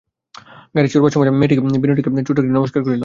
গাড়ি ছাড়িবার সময় মেয়েটি বিনয়কে ছোটো একটি নমস্কার করিল।